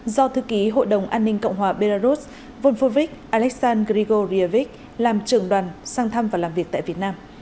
do thư ký hội đồng an ninh cộng hòa belarus volfovic aleksandr grigoryevic làm trưởng đoàn sang thăm và làm việc tại việt nam